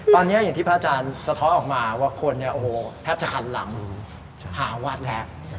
ตอนนี้อย่างที่พระอาจารย์สะท้อออกมาว่าคนแทบจะหันหลังหาวัดแหละ